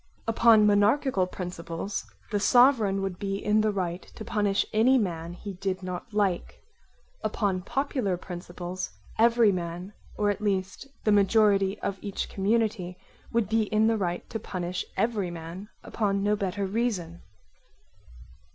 Upon monarchical principles, the Sovereign would be in the right to punish any man he did not like; upon popular principles, every man, or at least the majority of each community, would be in the right to punish every man upon no better reason.